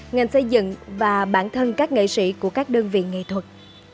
ngành xây dựng và bản thân các nghệ sĩ của các đơn vị nghệ thuật